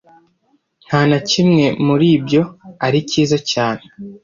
Nta na kimwe muri ibyo ari cyiza cyane